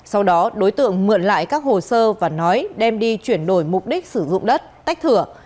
sau đó đối tượng mượn lại các hồ sơ và nói đem đi chuyển đổi mục đích sử dụng đất tách thửa